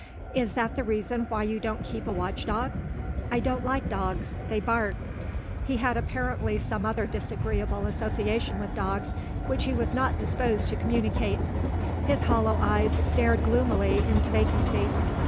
"Is that the reason why you don't keep a watch dog?" "I don't like dogs. They bark." He had apparently some other disagreeable association with dogs, which he was not disposed to communicate. His hollow eyes stared gloomily into vacancy.